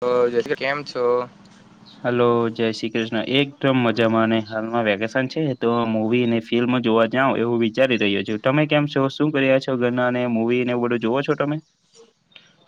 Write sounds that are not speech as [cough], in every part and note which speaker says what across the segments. Speaker 1: હ, જો એટલે કેમ છો?
Speaker 2: હલો જય શ્રી કૃષ્ણ. એકદમ મજામાં અને હાલમાં વેકેશન છે તો મૂવી અને ફિલ્મ જોવા જાવ એવું વિચારી જઈએ છે. તમે કેમ છો શું કર્યા છો ઘરનાને, મૂવીને એવું બધું જોવો છો તમે?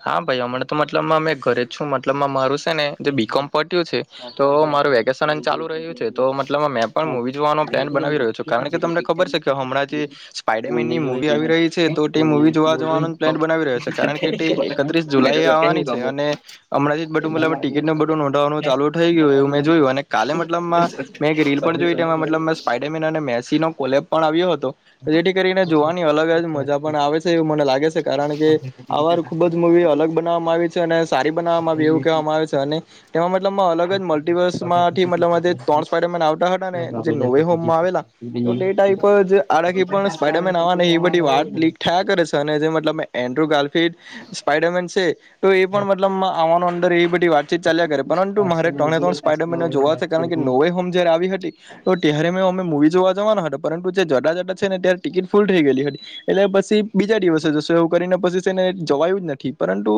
Speaker 1: હા ભાઈ, હમણાં તો મતલબ મે ઘરે છું. મતલબ મારું અને બીકોમ પત્યુ છે. તો, મારું વેકેશન ચાલુ રહ્યું છે. તો, મતલબ મેં પણ મુવી જોવાનું પ્લેન બનાવી રહ્યો છો. કારણ કે, તમને ખબર છે કે હમણાં જે સ્પાઈડરમેનની મુવી આવી રહી છે તો તે મુવી જોવા જવાનું પ્લાન બનાવી રહ્યો છે કારણ કે તે એકત્રીસ જુલાઈ આવવાની છે અને હમણાંથી જ બટુંમલા માં ટી એટલે, બધું નોંધવાનું ચાલુ થઈ ગયું. એવું મે જોયું અને કાલે મતલબમાં મેં એક રીલ પણ જોઈ તેમા મતલબ- [unintelligible] પણ આવ્યો હતો. જેથી કરીને જોવાની અલગ જ મજા પણ આવે છે એવું મને લાગે છે. કારણ કે, આવાર મુવી અલગ બનાવવામાં આવી છે અને સારી બનાવામાં આવી એવું કહેવામાં આવે છે અને તેમાં મતલબ અલગ જ મલ્ટિપલ દસમાંથી મતલબમાં જે ત્રણ સ્પાઈડરમેન આવતા હતા ને, જે નોવે હોમમાં આવેલા તો તે જ પર જે આનાથી પણ સ્પાાઈડરમેન આવવા ને એ બધી વાટ લીક થયા કરે છે અને જે મતલબ એન્ડ્રુ ગાર્ફીડ સ્પાઈડરમેન છે. તો એ પણ મતલબ આવાનો અંદર એ બધી વાત ચાલ્યા કરે. પરંતુ મારે ત્રણે ત્રણ સ્પાઈડરમેન જોવા છે. કારણ કે નોવે હોમ જયારે આવી હતી. ત્યારે મે અમે મુૂવી જોવા જવાના હતા. પરંતુ જે જતા જતા છે ને, ત્યારે ટિકિટ ફૂલ થઈ ગયેલી હતી. એટલે પછી બીજા દિવસે જશું એવું કરીને પછી છેને જવાયું જ નથી. પરંતુ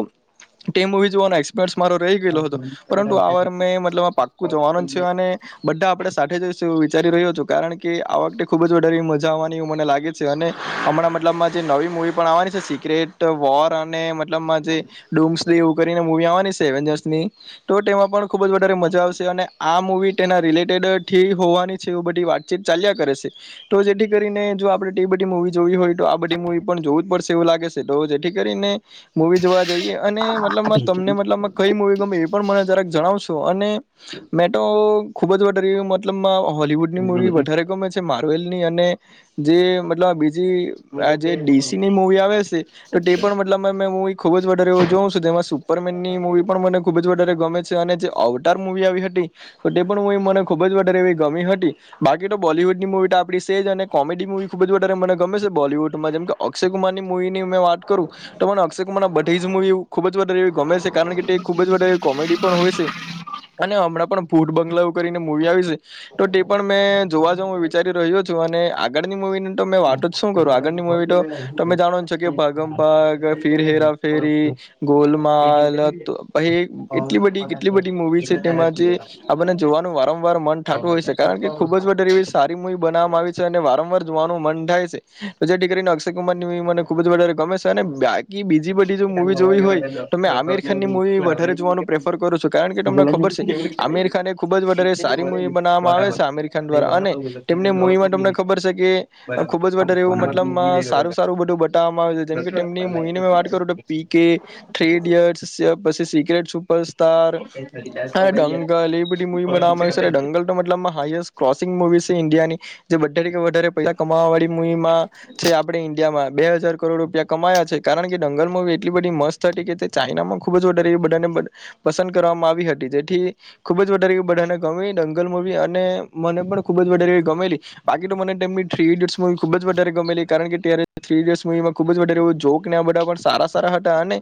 Speaker 1: તે મુવી જોવાનો એક્સપર્ટ મારો રહી ગયેલું હતું પરંતુ આ વાર મેં મતલબ આ પાક્કું જવાનું છે અને બધા આપણે સાથે જઈશું એવું વિચારી રહ્યો છું કારણ કે આ વખતે ખુબ જ વધારે મજા આવવાની એવું મને લાગે છે અને હમણાં મતલબમાં જે નવી મુવી પણ આવવાની છે. સિક્રેટ વોર અને મતલબ જે ડુંસલી એવું કરીને મુવી આવવાની તો ખૂબ જ વધારે મજા આવશે અને આ મુવી તેના રિલેટેડથી હોવાની બધી વાતચીત ચાલ્યા કરે છે. તો જેથી કરીને જો આપણે બધી મુવી જોવી હોય, તો આ બધી- પણ જોવું જ પડશે એવું લાગે છે. તો જેથી મુવી જોવા જઈએ અને મતલબ તમને, મતલબ કઈ મુવી ગમે એ પણ મને જરા જણાવશો અને મેં તો ખુબ જ વધારે મતલબ હોલવુડની મુવી વધારે ગમે છે મા ની અને જે મતલબ બીજી આ જે ડીસીની મુવી આવે છે. તો તે પણ મતલામાં મેં મૂવી ખૂબ જ વધારે એવું જોઉં છું. જેમાં સુપરમેનની મૂવી પણ મને ખૂબ જ વધારે ગમે છે. અને આઉટર મુૂવી જોવી હતી. તો તે પણ મુવી મને ખુબ જ વધારે એવી ગમી હતી બાકી તો બોલીવુડની મુવી સેહજ અને કોમેડી મૂવી ખૂબ જ વધારે મને ગમે છે. બોલીવુડમાં જેમ કે અક્ષયકુમારની મુવીની મેં વાત કરું તો, મને અક્ષયકુમાર ના બધી જ મુવી ખુબ જ વધારે ગમે છે. કારણ કે, તે ખુબ જ બધા કોમેડી પણ હોય છે. અને હમણાં પણ ભૂત બંગલાઓ કરીને મૂવી આવી છે તો તે પણ મેં જોવા જ હું વિચારી રહ્યો છું અને આગળની મુવી તમે વાતો જ શું કરો? આગળની મુવી તો તમે જાણો છો કે ભ ફીર હેરાફેરી, ગોલમાલ પછી એટલી બધી કેટલી બધી મુવી છે. તેમાંથી આપણને જોવાનું વારંવાર મન થાતું હોય છે. કારણ કે, ખુબ જ વધારે એવી સારી મુવી બનાવામાં આવી છે અને વારંવાર જોવાનું મન થાય છે. તો જેથી કરીને, અક્ષયકુમાર મને ખુબ જ વધારે ગમે છે. ને બે- બીજી બધી જો મુવી જોવી હોય. તમે આમિર ખાનની મુૂવી વધારે જોવાનું પ્રેફર કરો છો. કારણ કે, તમને ખબર આમીરખાને એ ખુબ જ વધારે સારી મુવી બનાવામાં આવે છે, આમિરખાન દ્વારા અને તેમને મુવીમાં તને ખબર છે, કે ખુબ જ વધારે એવું મતલબ સારું સારું બધું બતાવવામાં આવે છે, જેમ કે તેમની મુવી. પી કે થ્રી ઇડિયટ પછી સીક્રેટ સુપર સ્ટાર. હ ડંગલ એ બધી મુવી બનાવામાં આવી છે, ડંગલ તો મતલબમાં હાઈએસ્ટ ક્રોસિંગ મુવી છે. ઇન્ડિયા ની જે વધુ વધારે પૈસા કમાવા વાળી મુવીમાં છે, આપડે ઈન્ડિયામાં બે હજાર કરોડ ત્યાં કમાયા છે, કારણ કે જંગલમાં એટલી બધી મસ્ત હતી કે તે ચાઈનામાં ખૂબ જ ડર બાદ. પસંદ કરવામાં આવી હતી, જેથી ખુબ જ વધારે બધાને ગમી દંગલ મુવી, અને મને પણ ખુબ જ વધારેવી ગમેલી બાકી તો મને, તેમી થ્રી થીડયટસવી ખૂબ જ વધારેમેલી કારણ કે ત્યારે થ્રી થીડયટસવીમાં. ખૂબ જ વધારે જોક ને આ બધા સારા સારા હતા, અને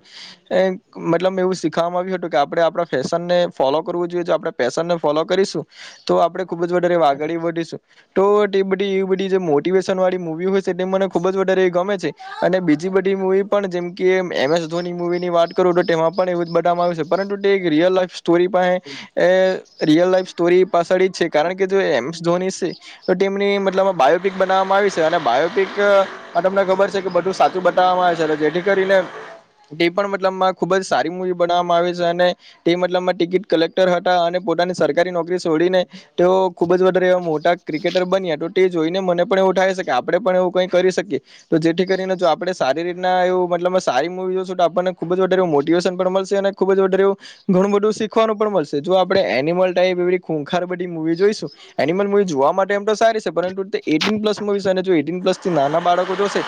Speaker 1: મતલબ મે એવું શીખવામાં આવ્યું હતું, કે આપ આપણે આપણા ફેશન ને ફોલો કરવું જોઈએ, આપણા ફેશનને ફોલો કરીશું. તો આપણે ખુબ જ વધારે વાઘાડી બનીશું. તો એ બધી એ બધી જે મોટિવેશન વાળી મૂવી હોય છે, તે મને ખુબ જ વધારે એવી ગમે છે. અને બીજી બધી મુવી પણ જેમ કે એમ એસ ધોની મુવી ની વાત કરું તો તેમાં પણ એવું જ બનાવમાં આવ્યું છે. રિયલ લાઈફ સ્ટોરી પણ રિયલ લાઈફ સ્ટોરી પાછળ જ છે, કારણ કે જો એમ. ધોની ટીમની મતલબ બાયોપિક બનાવવામાં આવી છે, અને બાયોપિક તમને ખબર છે. કે બધું સાચું બતાવવામાં આવે છે, જેથી કરીને તે પણ મતલબ ખુબ જ સારી મુવી બનાવવામાં આવે છે, અને તે મતલબમાં ટિકિટ કલેક્ટર હતા. અને પોતાની સરકારી નોકરી છોડીને તેઓ ખુબ જ વધારે મોટા ક્રિકેટર બન્યા તો તે જોઈને મને પણ થઈ શકે આપણે પણ એવું કંઈ કરી શકીએ. તો જેથી કરીને જો આપણે સારી રીતના એવું મતલબ સારી મૂવી જોશું તો આપણને ખૂબ જ વધારે મોટીવેશન પણ મળશે. ખુબ જ ઘણું બધું શીખવાનું પણ મળશે, જો આપણેે એનિમલ ટાઈપ એ ખૂંખાર બધી મુવી જોઈશું. એનિમલ મુવી જોવા માટે એમ તો સારી છે, પરંતુ પ્લસ મુવી અને પ્લસથી નાના બાળકો જો તો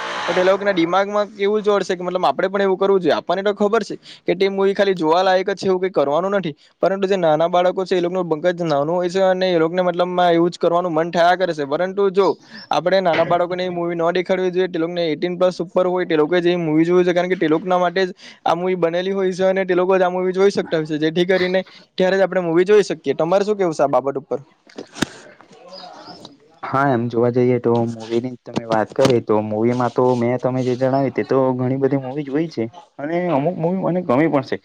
Speaker 1: એ લોકો ના દિમાગમાં એવું જોડશે, કે મતલબ આપણેે પણ એવું કરવું જોઈએ, આપણને તો ખબર છે, કે ખાલી જોવાલાયક જ એવું કઈ કરવાનું નથી, પરંતુ જે નાના બાળકો છે, એ લોકો ન પંકાજ નાનું હોય છે, અને મતલબ કરવાનું મન થયા કરે છે, પરંતુ જો આપે નાના બાળકો ને મૂવી ન દેખાય. જે સુપર હોય તે લોકો જેવી મુવી જોય છે, કારણ કે તેલોકના માટે જ આ મુવી બનેલી હોય છે. તે લોકો જ આ મૂવી જોઈ શકતાશે જેથી કરીને ત્યારે જ આપણે મૂવી જોઈ શકીએ તમારે શું કેવું છે, આ બાબત ઉપર
Speaker 2: [unintelligible] [inaudible]
Speaker 1: હા સ [inaudible]
Speaker 2: હા એમ જોવા જઈએ તો, મૂવી ની તમે વાત કરી. તો મૂવી માં તો મેં તમે જે જણાવ્યું તે તો ઘણી બધી મૂવી તો. હોય છે, અને અમુક મને ગમે પડશે.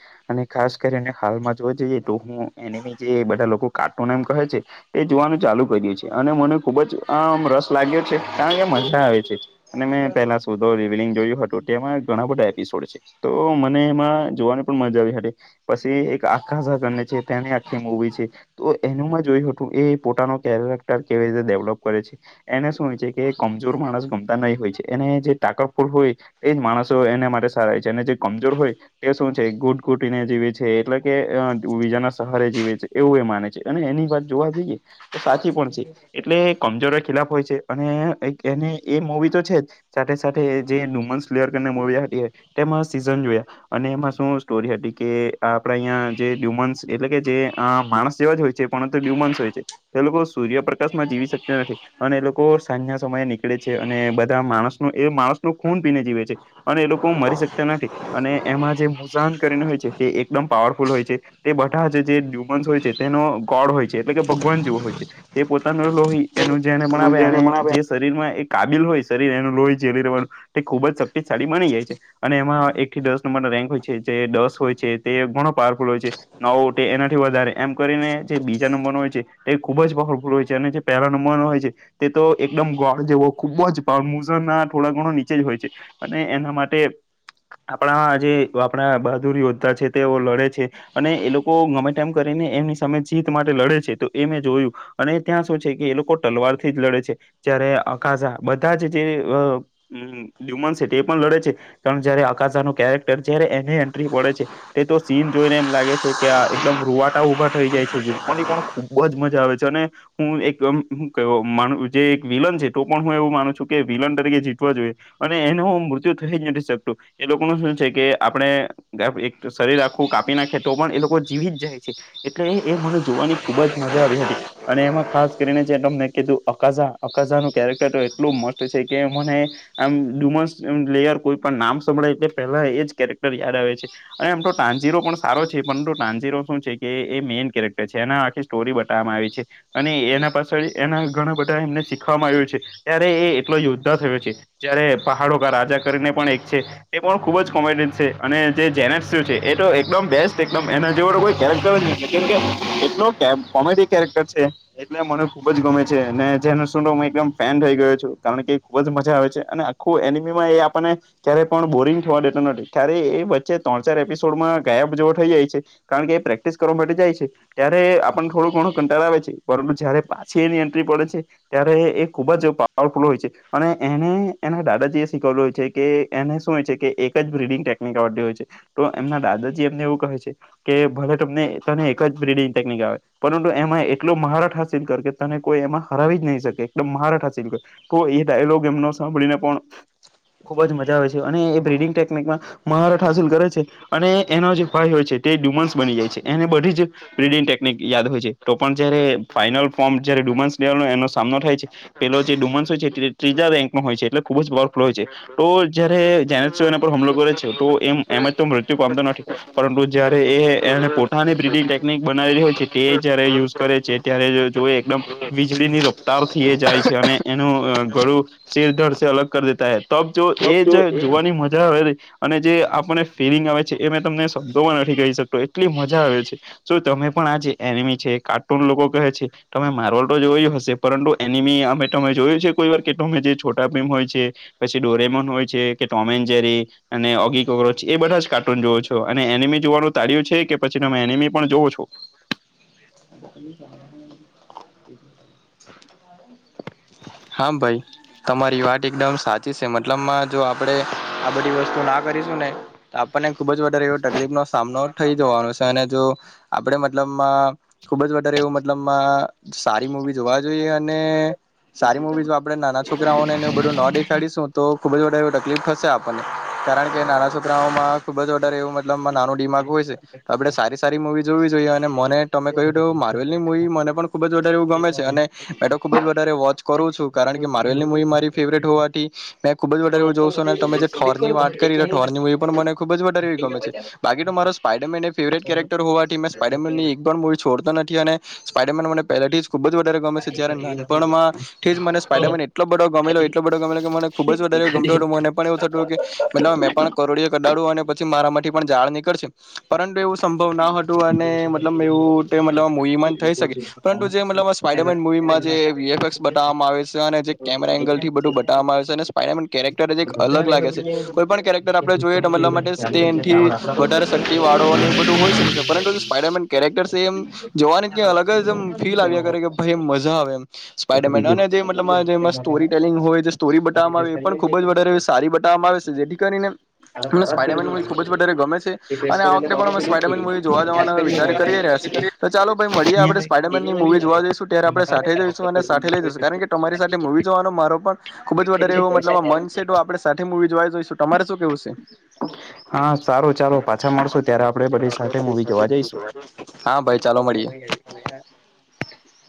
Speaker 2: ખાસ કરીને હાલમાં જો જઈએ તો હું એ બધા લોકો. કાર્ટૂન એમ કહે છે, એ જોવાનું ચાલુ કર્યું છે, અને મને ખુબ જ આમ રસ લાગ્યો છે, કારણ કે મજા આવે છે, અને મેં પેલા સુધો રિવલિંગ જોયું હતું. ઘણા બધા એપિસોડ છે, તો મને એમાં જોવાની પણ મજા આવે. પછી એક આકાને છે, ત્યાંની આખી મૂવી છે, તો એનું જોયું હતું એ પોતાનો કેરેક્ટર કેવી રીતે ડેવલપ કરે છે. એને શું હોય છે, કે કમજોર માણસ ગમતા નહીં હોય છે. એને જે ટાકાફૂર હોય એજ માણસો એને માટે સારા છે, એને જે કમજોર હોય. તે શું છે, ગૂટ ગૂટ ને જેવી એટલે કે બીજાના સહરે જીવે છે, એવું એ માને છે, અને એની વાત જોવા જઈએ. તો સાચી પણ છે, એટલે કમજોરો ખિલાફ હોય છે, અને એને એ મુવી તો છે, જ સાથે સાથે જે ડુમન્લેયરને મુવી હોય. તેમાં સીઝન જોયા અને એમાં શું સ્ટોરી હતી કે આપડા અહીં જે ડ્યુમન્સ એટલે કે જે અ માણસ જેવા જ હોય છે, પણ તો બ્યુમસ હોય છે, એ લોકો સૂર્યપ્રકાશમાં જીવી શકતા નથી. અને એ લોકો સાંજના સમયે નીકળે છે, અને બધા માણસ ન એ માણસ ન ખૂન પીને જીવે છે, અને એ લોકો મરી શકતા નથી, અને એમાં જે મુઝાન કરીને હોય છે, તે એકદમ પાવરફુલ હોય છે, તે બધા જ જે ડ્યુમન્સ હોય છે, તેનો ગોડ હોય છે, એટલે કે ભગવાન જેવો હોય છે. તે પોતાનું લોહી એનું જેને પણ આપે અને જે શરીરમાં એક કાબિલ હોય શરીર એનું લોહી ઝલી રેવાનું તે ખુબ જ શક્તિશાળી બની જાય છે અને એમાં એક થી દસ નંબર રેન્ક હોસ હોય છે જે દસ હોઈ છે તે ઘણો પાવરફુલ હોય છે નવ તે એનાથી વધારે એમ કરીને જે બીજા નંબરનો હોય છે તે ખુબ જ હો છે અને જે પેલા નંબર હોય છે તે તો એકદમ ગોળ જેવો ખુબ જ મુઝના થોડા ગણો નીચે નીચે જ હોય છે અને એના માટે આપણા જે આપણા બહાદુર યોદ્ધા છે તેવો લડે છે અને એ લોકો ગમે તેમ કરીને એની એમની સામે જીત માટે લડે છે તો મેં એે જોયું અને ત્યાં શું છે કે એ લોકો તલવાર થી જ લડે છે જ્યારે અકાઝા બધા જ જે અહહ અમમ ડીમન છે તે પણ લડે છે પણ જ્યારે અકાઝાનું કેરેક્ટર જ્યારે એને એન્ટ્રી પડે છે તે તો સીન જોઈને એમ લાગે છે કે આ એકદમ રૂવાટા ઊભા થઈ જાય છે જોવાની પણ ખુબ જ મજા આવે છે અને હું એકદમ હું કેવો જે એક વિલન છે તો પણ હું એવું માનું છું કે વિલન તરીકે જીતવા જોઈએ અને એનું મૃત્યુ થઈ જ નથી શકતું એ લોકો ન શું છે કે આપણે શરીર આ આખું કાપી નાખે તો પણ એ લોકો જીવી જાય છે એટલે એ મને જોવાની ખુબ જ મજા આવી હતી અને એમાં ખાસ કરીને જે મેં કીધું અકાઝા અકાઝા નું કેરેક્ટર તો એટલું મસ્ત છે કે મને આમ ડુમસ લેયર કોઈ પણ નામ સંભળાય એટલે પેલા એ જ કેરેક્ટર યાદ આવે છે અને એમ તો ટાંજીરો પણ સારો છે પરંતુ તાંજીરો શું છે કે એ મેઇન કેરેક્ટર છે એના આખી સ્ટોરી બતાવામાં આવી છે. અને એના પાછળ એના ઘણા બધા એમને શીખવામાં આવ્યા છે ત્યારે એ એટલો યોદ્ધા થયો છે. જયારે પહાડો કા રાજા કરીને પણ એક છે એ પણ ખુબ જ કોમેડિયન છે અને જે જેનતસુ છે. એ તો એકદમ બેસ્ટ એકદમ એના જેવો તો કોઈ કેરેક્ટર જ નથી કેમ કે એટલો કોમેડી કેરેક્ટર છે એટલે મને ખુબ જ ગમે છે અને જેનતસુનો હું એકદમ ફેન થઈ ગયો છું કારણ કે ખુબ જ મજા અને આખું એનીમી એ આપણને ક્યારેય પણ બોરિંગ થવા દેતો નથી કેયારે એ વચ્ચે ત્રણ ચાર એપી સોડામાં ગાયબ જેવો થઈ જાય છે કારણ કે પ્રેક્ટિસ કરવા માટે જાય છે ત્યારે આપ થોડું ઘણું કનતાણો આવે છે પરંતુ જયારે પાછી એની એન્ટ્રી પડે છે ત્યારે એ ખુબ જ પાવરફુલ હોય છે અને એને એના દાદાજી એ શીખવલું હોય છે કે એને શું હોય છે કે એક જ બ્રિડિંગ ટેકનિક આવડતી હોય છે. તો એમના દાદાજી એમને એવું કહે છે કે ભલે તમને તને એક જ બ્રિડિંગ ટેકનિક આવે પરંતુ એમાં એટલો મહારઠ હાસિલ કર કે તને કોઈ એમાં હરાવી જ નહીં શકે એકદમ મહારઠ હાસિલ કર તો એ લોગ એમનો સાંભળીને પણ ખુબ જ મજા આવે છે અને એ બ્રીથિંગ ટેકનીકમાં મહારત હાસિલ કરે છે અને એનો જે એક ભાઈ હોય છે તે ડુમન્સ બની જાય છે એને બધી જ બ્રીથિંગ ટેકનીક યાદ હોય છે તો પણ જયારે ફાઈનલ ફોર્મ જયારે ડુમન્સ લયનો એનો સામનો થાય છે પેલો જે ડુમન્સય છે તે ત્રીજા રેન્કમાં હોય છે એટલે ખુબ જ પાવર ફ્લોય છે. તો જયારે જેને તસુ પર હમલો કરે છે તો એમ એમજ તો મૃત્યુ પામતો નથી પરંતુ જયારે એ એને પોઠાની બ્રિડિંગ ટેકનિક બનાવેલી હોય છે તે જ જયારે યુઝ કરે છે ત્યારે જો જોએ એકદમ વીજળી ની રફતાર થઈ એ જાય છે અને એનું અહહ ગળું શિરધડ સે અલગ કર દેતા હૈ તબ જો એ જે જોવાની મજા આવેલી અને જે આપણે ફિલિંગ આવે છે એ મે તમને શબ્દોમાં નથી કઈ શકતો એટલી મજા આવે છે સો તમે પણ આજે એનિમી છે કાર્ટૂન લોકો કહે છે તમે માર્વલ તો જોયું હશે પરંતુ એનિમી અમે તમે જોયું છે. કોઈવાર કે તમે છોટા ભીમ હોય છે પછી ડોરેમન હોય છે કે ટોમ એન્ડ જેરી અને ઓગી કોક રોચ એ બધા જ કાર્ટૂન જોવો છો અને એનિમી જોવાનું તાળય્યું છે કે પછી તમે એનિમી પણ જોવો છો [inaudible]
Speaker 1: હા ભાઈ તમારી વાત એકદમ સાચી છે મતલબમાં જો આપડે આ બધી વસ્તુ ના કરીશું ને આપણને ખુબ જ વધારે એવો તકલીફનો સામનો થઈ જવાનો છે અને જો આપણે મતલબમાં ખુબ જ વધારે એવું મતલબમા સારી મુવી જોવા જોઈએ અને સારી મૂવીઝો આપડણે નાના છોકરાઓને એવું બધું ન દેખાડીશું તો ખુબ જ વધારે તકલીફ થશે આપણને કારણ કે નાના છોકરાઓમાં ખુબ જ વધારે એવું મતલબ નાનું દિમાગ હોય છે તો આપડે સારી સારી મૂવી જોવી જોઈએ અને મને તમે કહ્યું હત માર્વેલની મવી મને પણ ખૂબ જ વધારે એવું ગમે છે અને મેં તો ખૂ ખુબ જ વધારે વોચ કરું છું કારણ કે માર્વેલની મુવી મારી ફેવરેટ હોવાથી મેં ખુબ જ વધારે એવું જોઉ છું અને તમે જે થોરની વાત કરી તો થોરની એ પણ મને. ખૂબ જારે એ ગમે છે, બાકી તો મારો સ્પાઈડરમેન એેટ કેરેક્ટર હોવાથી, મેં સ્પાઈડરમેન એક પણ છોડતો નથી, અને સ્પાઈડરમેન મને પહેલાથી ખુબ જ વધારે ગમે છે, જ્યારે નાનપણમાં જ મને સ્પઇડરનટલો બો ગમેલો એટલો બો ગમે્યો કે મને ખબજ વધારે ગમતો હતું, મને પણ એવ થતું કે મતલબ મેં પણ કરોડિય કઢાડું અને પછી મારા થી, પણ ઝાળ નીકળશે પરંતુ એવું સંભવ ના હતું, અને મતલબ એવું મતલબ મોહમાન થઈ, શકે પરંતુ જે મતલબ આઇડમંડ, મુવીમાં જે વીએફક્સ બતાવવામાં આવે છે, અને જે કેમેરા એંગલ થી, બધું બતાવવામાં આવે છે, અને સ્પનાન કેરેક્ટર જે એક અલગ લાગે છે. કોઈ પણ કેરેક્ટર આપે જોઈએ, મતલબ માટેથી વધારે શક્તિ વાળોની હો, શકે છે, પરંતુ જે સ્પાયરમેન કેરેક્ટર છે એમ જવાની ક્યાં અલગ જમ ફીલ આવ્યા, કરે કે ભાઈ એમ મજા આવે એમ સ્પાયડરમેન અને જે મતલબમાં જેમાં સ્ટોરી ટેલિંગ હોય, જે સ્ટોરી બતાવવામાં આવે એ પણ ખૂબ જ વધારે સારી બવવામાં આવે. જેથી કરીને અને સ્પાઈડરમેન મવી ખુબ જ વધારે ગમે છે, અને આ વખતે પણ અમે સ્પાઈડરમેન મૂવી જોવા જવાના વિચાર કરી રહ્યા છે. તો ચાલો ભાઈ મળીએ આપણે
Speaker 2: બીજું
Speaker 1: સ્પાઈડરમેન ની મુવી જોવા, જઈશું ત્યારે આપણે સા જઈશું અને સાથે લઈ જ કારણ કે, તમારી સાથે મવી જોવાનો મારો પણ ખુબજ વધારે એવો મતલબ મન છે, તો આપડ સાથે મવી જોવા જોઈશું તમારે શું કેવું છે.
Speaker 2: હા, સારું ચારો પાછા મળશુ ત્યારે આપડે બધી સાથે મુવી જોવા જઈશું
Speaker 1: હા ભાઈ ચાલો મળીએ
Speaker 2: [unintelligible]
Speaker 1: [inaudible]